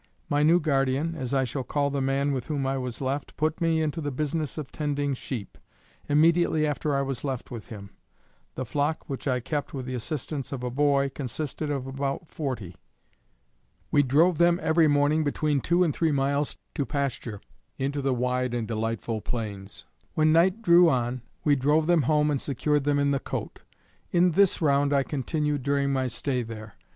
My new guardian, as I shall call the man with whom I was left, put me into the business of tending sheep, immediately after I was left with him. The flock which I kept with the assistance of a boy, consisted of about forty. We drove them every morning between two and three miles to pasture, into the wide and delightful plains. When night drew on, we drove them home and secured them in the cote. In this round I continued during my stay there.